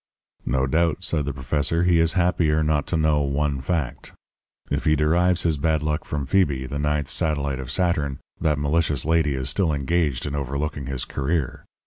"'No doubt,' said the professor, 'he is happier not to know one fact. If he derives his bad luck from Phoebe, the ninth satellite of Saturn, that malicious lady is still engaged in overlooking his career.